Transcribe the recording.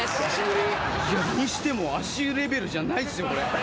それにしても足湯レベルじゃないっすよ。